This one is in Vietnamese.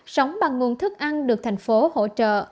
sống bằng nguồn thức ăn được thành phố hỗ trợ